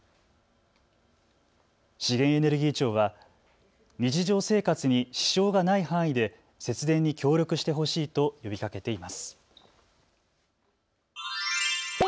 資源エネルギー庁は日常生活に支障がない範囲で節電に協力してほしいと呼びかけています。